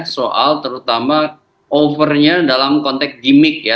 soal terutama overnya dalam konteks gimmick ya